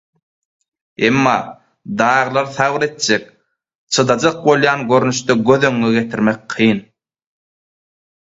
Emma daglary sabyr etjek, çydajak bolýan görnüşde göz öňüňe getirmek kyn.